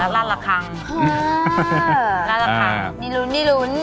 ละละครั้งนิรุ้น